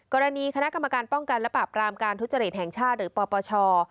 กรณีคณะกรรมการป้องกันและปราบรามการทุจริตแห่งชาติหรือปปช